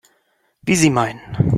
Wie Sie meinen.